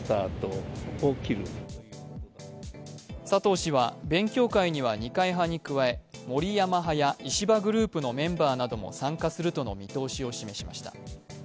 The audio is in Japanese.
佐藤氏は勉強会には二階派に加え森山派や石破グループのメンバーなども参加するとの見通しを示しました。